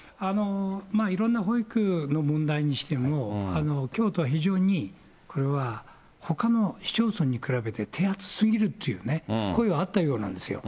いろんな保育の問題にしても、京都は非常にこれはほかの市町村に比べて手厚すぎるっていうね、声があったようなんですよ。